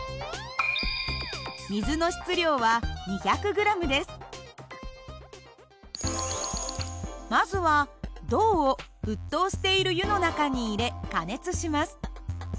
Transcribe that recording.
水の質量はまずは銅を沸騰している湯の中に入れ加熱します。